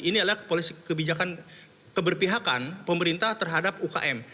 ini adalah kebijakan keberpihakan pemerintah terhadap ukm